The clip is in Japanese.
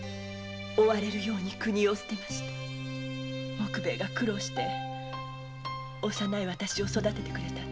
杢兵衛が苦労して幼い私を育ててくれたんです。